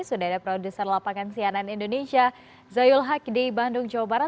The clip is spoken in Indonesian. sudah ada produser lapangan sianan indonesia zayul haq di bandung jawa barat